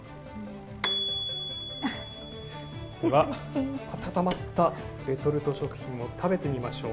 では、温まったレトルト食品を食べてみましょう。